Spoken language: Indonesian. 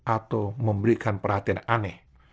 atau memberikan perhatian aneh